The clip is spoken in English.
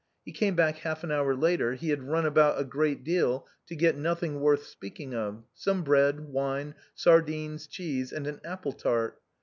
He came back half an hour later; he had run about a great deal to get nothing worth speaking of, some bread, wine, sardines, cheese and an apple tart.